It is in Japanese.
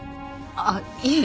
あっいえ